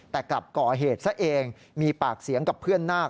แต่กลับก่อเหตุซะเองมีปากเสียงกับเพื่อนนาค